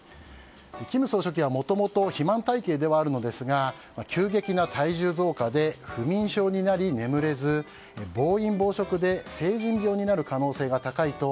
金総書記はもともと肥満体形ではあるのですが急激な体重増加で不眠症になり眠れず暴飲暴食で成人病になる可能性が高いと